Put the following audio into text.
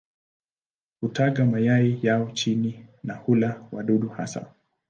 Hutaga mayai yao chini na hula wadudu hasa.